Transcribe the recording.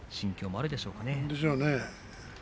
そうでしょうね。